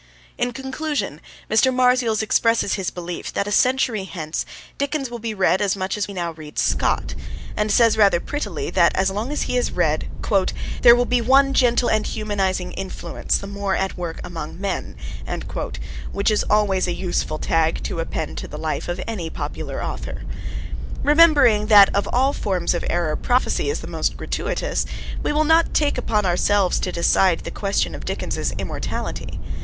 In conclusion, Mr. Marzials expresses his belief that a century hence Dickens will be read as much as we now read Scott, and says rather prettily that as long as he is read 'there will be one gentle and humanising influence the more at work among men,' which is always a useful tag to append to the life of any popular author. Remembering that of all forms of error prophecy is the most gratuitous, we will not take upon ourselves to decide the question of Dickens's immortality.